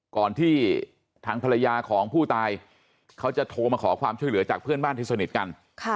ก่อนที่ทางภรรยาของผู้ตายเขาจะโทรมาขอความช่วยเหลือจากเพื่อนบ้านที่สนิทกัน